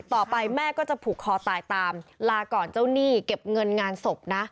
ต่อไปแม่ก็จะผูกคอตายตามลาก่อนเจ้าหนี้เก็บเงินงานศพนะ